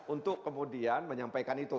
untuk kemudian menyampaikan itu